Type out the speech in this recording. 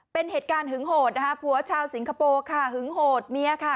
เป็นเหตุการณ์หึงโหดนะคะผัวชาวสิงคโปร์ค่ะหึงโหดเมียค่ะ